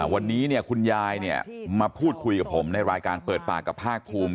วันนี้คุณยายมาพูดคุยกับผมในรายการเปิดปากกับภาคภูมิ